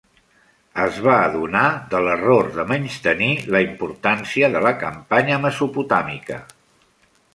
Es va adonar de l'error de menystenir la importància de la campanya mesopotàmica.